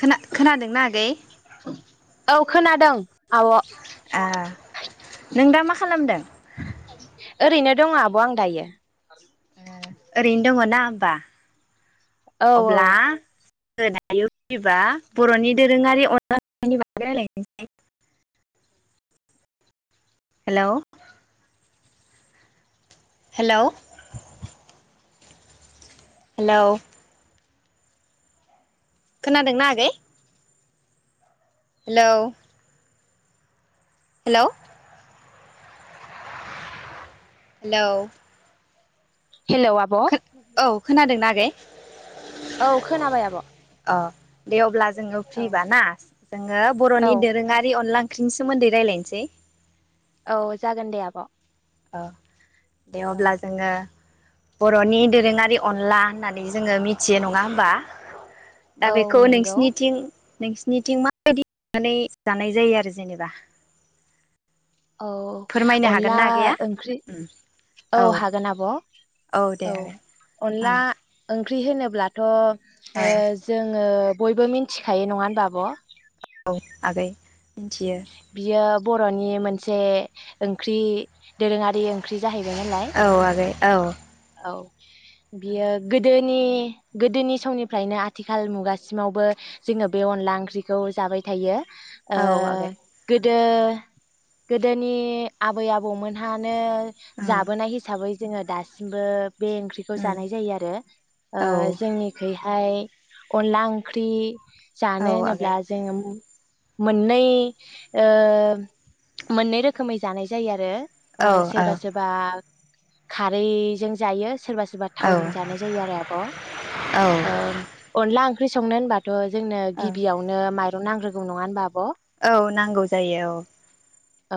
खोना खोनादोंना आगै? औ खोनादों। आब' ए नों दा मा खालामदों? ओरैनो दं आब आं दायो। ओ ओरैनो दङ ना होमबा। औ औ अब्ला ओ दायो फैबा बर'नि दोरोङारि अनला ओंख्रिनि बागै रलायनोसै। हेलौ हेलौ हेलौ खोनादोंना आगै? हेलौ हेलौ हेलोव हेलौ आब' औ खोनादोंना आगै? औ खोनाबाय आब' अ दे अब्ला जोङो औ फ्रिबा ना जोङो औ बर'नि दोरोङारि अनला ओंख्रिनि सोमोन्दै रायज्लायनोसै। औ जागोन दे आब'। औ। दे औ अब्ला जोङो बर'नि दोरोङारि अनला होननानै जोङो मिथियो नङा होमबा? दा औ बेखौ नोंगौ नोंसिनिथिं नोंसिनिथिं माबायदि माने जानाय जायो आरो जेनेबा? औ औ फोरमायनो हागोन अनला ना आगैया ओंख्रि उम औ हागोन आब औ औ दे आगै अनला ओं ओंख्रि होनोब्लाथ' ओ औ जोङो बयबो मिथिखायो नङा होनबा आब' औ आगै मिथियो बियो बर'नि मोनसे ओंख्रि दोरोङारि ओंख्रि जाहैबाय नालाय औ आगै औ औ बियो गोदोनि गोदोनि समनिफ्रायनो आथिखाल मुगासिमावबो जोङो बे अनला ओंख्रिखौ जाबाय थायो। ओ औ आगै। दो-गोदोनि आबै आबौमोनहानो ओं जाबोनाय हिसाबै जोङो दासिमबो बे ओंख्रिखौ ओं जानाय जायो आरो ओ औ जोंनिखै हाय अनला ओंख्रि जानो औ होनोब्ला आगै जोङो उम मोननै ओ मोननै रोखोमै जानाय जायो आरो ओ औ औ सोरबा सोरबा खारैजों जायो। सोरबा सोरबा औ थावजों जानाय जायो आरो आब' औ ओ अनला ख्रि संनो होनबा थ जोंनो औ गिबियावनो माइ रं नांग्रोगौ नङा होनबा आब'? औ नांगौ जायो औ। औ।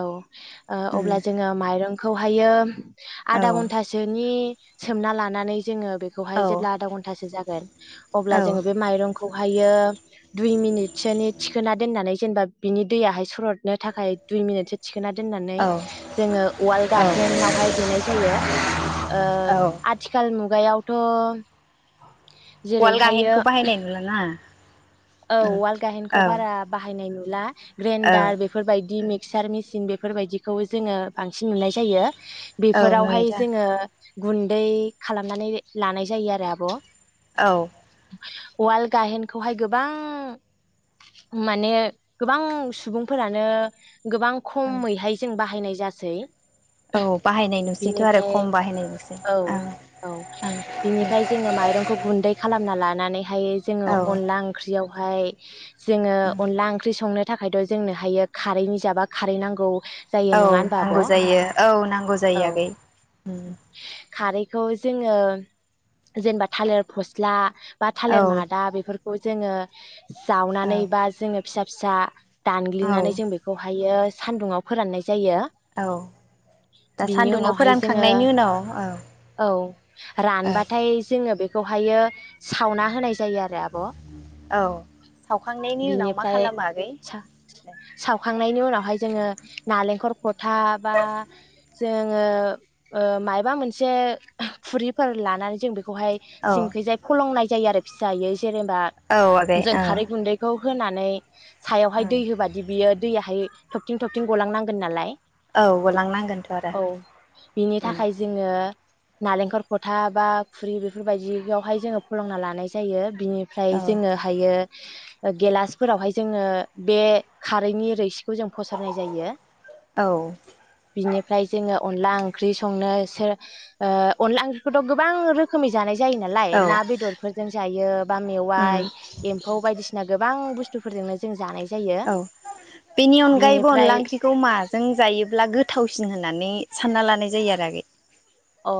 ओ उम अब्ला जोङो माइरं खौहायो औ आदा घन्टासोनि सोमना लानानै जोङो औ बेखौहाय जेब्ला आदा घन्टा सिम जागोन अब्ला औ जों बे माइरंखौ हायो दुय मिनिट सोनि थिखोना दोननानै जेनबा बिनि दैयाहाय सरटनो थाखाय दुइ मिनिट सो थि खोना दोननानै औ जोङो वाल‌ गाहेनाव हाय देनाय जायो ओ औ आथिखाल मु गायावथ' वाल गाहेनखौ बाहायनाय नुला ना? औ वाल गाहेनखौ बारा बाहायनाय नु ला औ ग्रेनडार बेफोरबायदि मिक क्सार मेसिन बेफोरबायदिखौ जोङो बांसिन नुनाय जायो औ नुयो बेफोरावहाय दा जोङो गुन्दै खालामनानै लानाय जायो आरो आब' औ वाल गाहेनखौहाय गोबां माने गोबां सुबुंफोरानो गोबां औ खमैहाय जों बा बाहायनाय जासै । औ बाहायनाय नुसैथ' आरो बिनिफ्राय खम बाहायनाय नुसै औ ओं औ बिनिफ्राय जोङो माइरंखौ गुन्दै खालामना लानानैहाय जोङो ओं अनला बेवहाय जोङो अनला ओंख्रि संनो थाखायथ' जोंनो हायो खारैनि जाबा खारै नांगौ जायो औ नङा होनबा आब' नांगौ औ जायो औ नांगौ जायो आगै उम । खारैखौ जोङो जेनबा थालिर फस्ला बा औ थालिर मादा बेफोर जोङो औ जावनानै बा जोङो फिसा फिसा औ दानग्लिनानै जों बेखौहायो सान्दुंङाव फोराननाय जायो औ दा बेनि सान्दुङाव उनाव हाय जोङो फोरानखांनायनि उनाव औ औ औ रानबाथाय जोङो बे बेखौहायो सावना होनाय जायो आरो आब' औ सावखांनायनि उनाव मा बिनिफ्राय खालामो आगै? नायनि उनावहाय जोङो नालेंखर खथा बा जोङो ओ मायबा मोनसे खुरिफोर लानानै जों बे खौहाय औ सिंखैजाय फलंनाय नाय जायो आरो फिसायै जेनेबा औ आगै जों औ खारै गुन्दैखौ होनानै सायावहाय ओं दै होबादि बियो दैयाहाय थबथिं थबथिं गलांनांगोन नालाय औ गलांनांगोनथ' आरो औ बिनि उम थाखाय जोङो नालेंखर खथा बा खुरि बेफोरबायदियावहाय जोङो फलंना लानाय जायो बिनि औ जोङो हायो। गेलास फोरावहाय जोङो बे खारैनि रोसि खौ जों फसरनाय जायो औ बिनि ओमफ्राय जोङो अनला ओंख्रि संनो सो ओ अनला ओंख्रिखौथ गोबां रोखोमै जानाय जायो नालाय औ ना बेदरफोरजों जायो बा उम मेवाइ एम्फौ बायदिसिना गोबां गोबां बुस्थुफोरजोंनो जों जानाय जा औ बेनि अनगायैबो अनला बिनिफ्राय ओंख्रिखौ माजों जायोब्ला गोथावसिन होननानै सानना लानाय जायो आरो आगै अ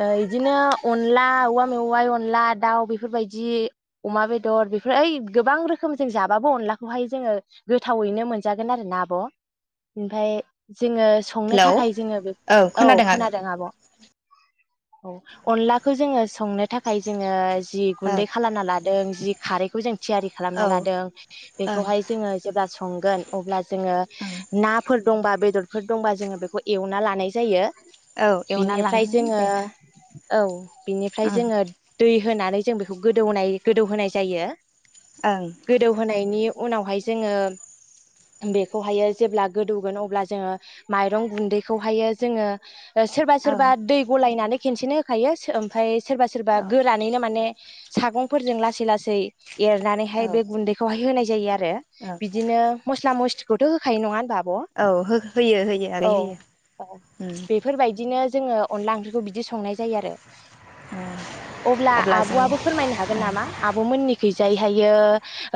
बिदिनो अनला औवा मेवाय अनला दाउ बेफोरबायदि अमा बेदर बेफोर ओइ गोबां रोखोम जों जाबाबो अनलाखौहाय जोङो गोथावैनो मोनजागोन आरो ना आब ओमफ्राय जोङो संनो हेलौ थाखाय जोङो बे औ खोनादों आब' औ अनलाखौ जोङो संनो थाखाय जोङो जि ओं गुन्दै खालामना लादों जि खारैखौ जों थियारि औ खालामना लादों ओं बेखौहाय जोङो जेब्ला संगोन अब्ला जोङो ओं नाफोर दंबा बेदरफोर दंबा जोङो बेखौ एवना लानाय जायो। औ एवना बिनिफ्राय लानानै जोङो दे औ बिनिफ्राय ओं जोङो दै होनानै जों बेखौ गोदौनाय गोदौ होनाय जायो। ओं गोदौहोनायनि उनावहाय जोङो बेखौहायो जेब्ला गोदौगोन अब्ला जोङो माइरं गुन्दैखौहायो जोङो सोरबा औ सोरबा दै गलायनानै खेनसेनो होखायो सो ओमफाय सोरबा सोरबा औ गोरानैनो माने सागंफोरजों लासै लासै एरनानैहाय औ बे गुन्दैखौहाय होनायन जायो । आरो औ बिदिनो मस्ला मस्लि खौथ' होखायो नङा होनबा? औ होख हेयो होयो आगै होयो उम । बिदिनो जोङो अनदला ओंख्रिखौ बिदि संनाय जायो आरो । उम अब्ला आबआबो फोरमायनो हागोन नामा आब मोननिखि जायहायो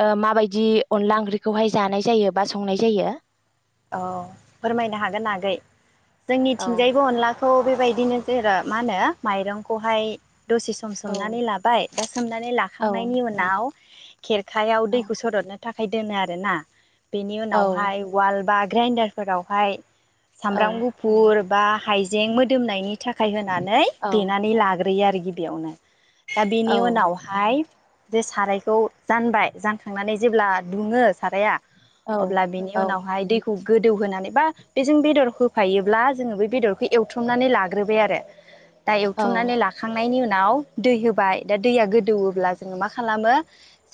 ओ माबायदि अनला ओंख्रिखौहाय जानाय जायो बा संनाय जायो? औ फोरमायनो हागोन आगै । औ जोंनिथिंजायबो अनदला खौ बेबायदिनो जेरा मा होनो माइरंखौहाय दसे सम औ सोमनानै लाबाय दा सोमनानै औ लाखांनायनि उनाव खेरखायाव औ दैखौ सरदनो थाखाय दोनो आरोना बेनि औ उनावहाय उवाल बा ग्रेन्दारफोरावहाय सामब्राम औ गुफुर बा हाइजें मोदोमनायनि थाखाय होनानै औ देनानै लाग्रोयो आरोखि । बेयावनो दा औ बेनि उनावहाय बेे सारायखौ जानबाय जानखांनानै जेब्ला दुङो साराया औ अब्ला बिनि उनावहाय दैखौ गोदौ होनानै बा बेजों बेदर होफायोब्ला जों ओ बे बेदर एवथुमनानै लाग्रोबाय आरो दा औ एवथुमनानै लाखांनायनि उन आव दै होबाय दा दैया गोदौओब्ला जोङो मा खालामो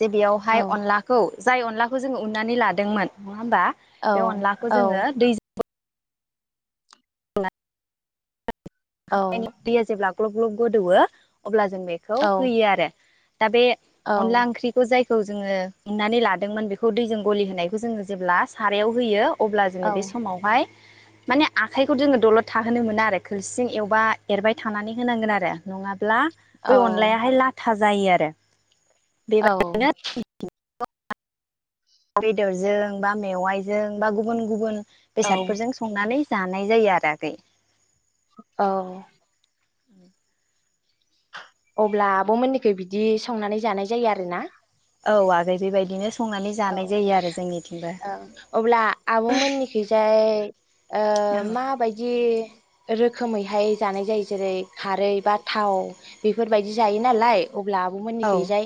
जे औ बेयावहाय अनदलाखौ जाय अनलाखौ जोङो उननानै लादोंमोन नङा होमबा औ बे अनलाखौ औ जोङो दैजो [inaudible] दैआ जेब्ला ग्लब ग्लब गोदौओ अब्ला जों बेखौ औ होयो आरो दा बे अनला ओंख्रिखौ जाय खौ जोङो उन्नानै लादोंमोन बेखौ दैजों गलि होनायखौ जोङो जेब्ला सारायाव होयो अब्ला जोङो बे औ समावहाय माने आखाइखौ जोङो दलद थाहोनो मोना आरो खो हारसिं एवबा एरबाय थानानै होनांगोन आरो नङाब्ला बे अनलायाहाय लाथा साजायो आरो औ बेबारनो बेदरजों बा मेवाइजों बा गुबुन गुबुन बेसादफोरजों संनानै जानाय जायो आरो आगै औ [inaudible] अब्ला आब'मोननिखै बिदि संनानै जानाय जायो आरोना। औ आगै बेबायदिनो संनानै औ जानाय जायो आरो औ जोंनिथिंबो अब्ला आब' मोननिखैजाय [inaudible] ओ माबायदि रोखोमैहाय जानाय जायो जेरै खारै बा थाव बेफोरबायदि जायो नालाय अब्ला आब' औ मोननिखैजाय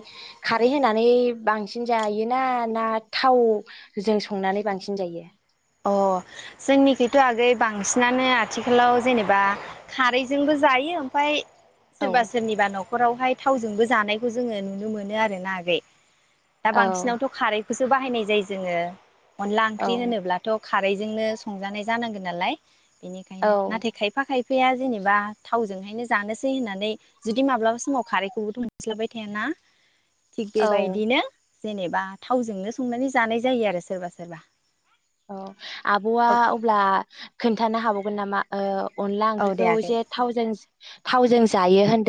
खारै होनानै नै बांसिन जायो ना ना थावजों संनानै बांसिन जायो? अ जोंनिखथ आगै बांसिनानो आथिखालाव जेनेबा खारैजोंबो जायो ओमफाय औ सोरबा सोरनिबा न'ख न'खरावहाय थावजोंबो जानायखौ जोङो नुनो मोनो आरो ना आगै दा औ बांसिनावथ खारैखौसो सो बाहायनाय जायो जोङो अनला औ ओंख्रि होनोब्ला खारैजोंनो संजानाय जानांगोन नालाय बिनिखायनो औ नाथाय खायफा खाय बिफाया जेनेबा थावजोंहायनो जानोसै होननानै जुदि माब्लाबा समाव खारैखौबो मोनस्लाबाय थायाना थिग औ बेबायदिनो जेनेबा थावजोंनो संनानै जानाय जायो आरो सोरबा सोरबा औ आब'आ औ अब्ला खो खिन्थानो हाबावगोन नामा ओ अनला औ दे ओंख्रिखौ आगै एसे थावजों थावजों जायो होन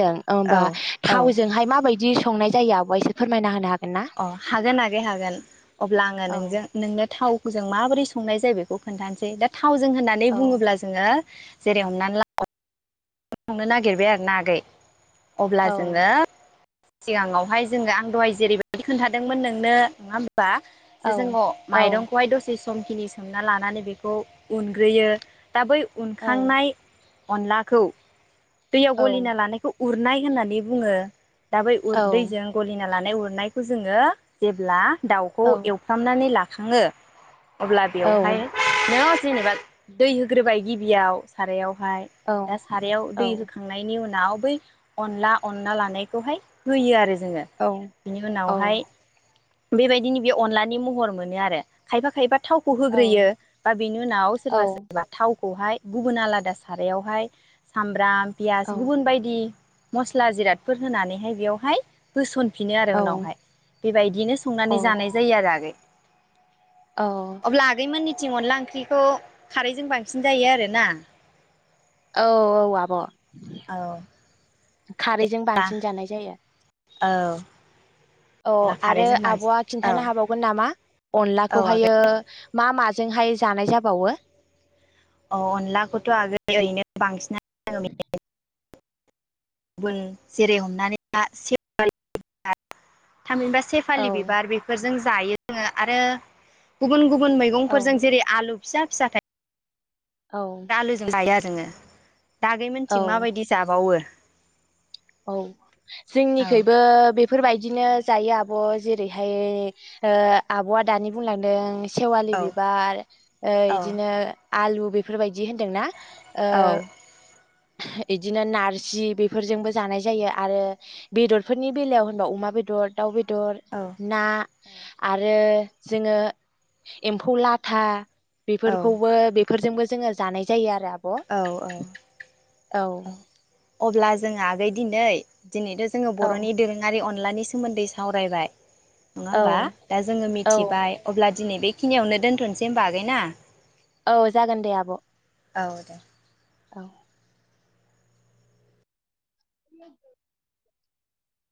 औ ओमबा औ थावजोंहाय माबायदि संनाय जायो आब'आ इसे फोरमायना होनो हाग अ हागोन आगै हागोन। अब्ला आङो औ नोंजों नोंनो थाव जों माबोरै संनाय जायो बेखौ खोन्थानोसै दा था थावजों होननानै औ बुङोब्ला जोङो जेरै हमनानै ला [unintelligible] नो नागिरबाय आरो ना आगै अब्ला औ जोङो सिगाङावहाय जोङो आं दहाय जेरैबायदि खोन्थादोंमोन नोंनो नङा होम बा औ जे जोङो औ माइरंखौहाय दसे समखिनि सोमना लानानै बेखौ उनग्रोयो दा बै औ उनखांनाय अनलाखौ दैयाव औ गलिना लानायखौ उरनाय होननानै बुङो। दाबै उर औ दैजों गलिन ना लानाय उरनायखौ जोङो जेब्ला दाउखौ औ एवफ्रामनानै ला थांङो अब्ला औ बेवहाय नोङा जेनेबा दै होग्रोबाय गिबियाव सारायाव ओमफाय दा सारायाव दै होखांनायनि उनाव बै अनला अनला लानायखौहाय होयो आरो जो जोङो बेनि औ उनावहाय औ बेबायदिनो बे अनलानि महर मोनो आरो खायफा खायफा थावखौ होग्रोयो बा बेनि उनाव सोरबा सोरबा थाव खौ हाय गुबुन आलादा सारायावहाय सामब्राम फियास गुबुन बायदि मस्ला जिरादफोर होनानैहाय बेवहाय बोसन होसन होफिनो आरो उनावहाय बेबायदिनो संनानै जानाय जायो आरो आगै औ अब्ला आगै मोन थिं अनला ओंख्रिखौ खारैजों बांसिन जायो आरोना औ औ आब' औ खारैजों बांसिन जानाय जायो। औ अ अनला आरो खारैजों बांसिन आबआ औ खिन्थानो हाबावगोन नामा औ आगै अनलाखौहायो मा मा जोंहाय जानाय जाबावो? अ अनलाखौथ आगोल ओरैनो बांसिनानो [unintelligible] जेरै हमनानै [unintelligible] थामहिनबा औ सेफालि बिबार बेफोर जों जायो आरो गुबन गुबन गुबुन औ मैगंफोरजों जेरै आलु फिसा फिसा थाय औ आलुजों जा [unintelligible] जोङो दा आगै औ मोनथिं माबायदि जाबावो? औ औ जोंनिखैबो बे बेफोरबायदिनो जायो आब' जेरैहाय आब'आ दानि बुंलांदों सेवालि औ बिबार ओ औ बिदिनो आलु बेफोरबायदि होन्दों ना? ओ इदिनो नारजि बेफोरजोंबो जानाय जायो आरो बेदरफोरनि बेलायाव होनबा अमा बेदर दाउ बेदर बेदर औ ना आरो जोङो एम्फौ लाथा बेफोरखौबो बेफोरजोंबो जोङो जानाय जायो आरो औ औ औ अब्ला जों आगै दिनै दिनैथ जोङो बरनि दोरोङारि अनलानि सोमोन्दै सावरायबाय नङा होमबा औ दा जोङो औ मिथिबाय अब्ला दिनै बेखिनियावनो दोन्थनोसै होनबा आगै ना औ जागोन दे आब' औ दे औ [unintelligible]